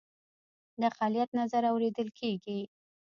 د اقلیت نظر اوریدل کیږي